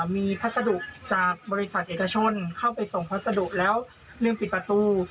มีพัสดุจากบริษัทเอกชนเข้าไปส่งพัสดุแล้วลืมปิดประตู